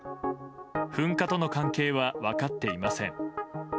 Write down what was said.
噴火との関係は分かっていません。